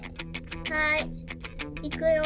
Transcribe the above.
はい。いくよ。